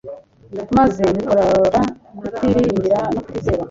maze bikorora kutiringira no kutizera.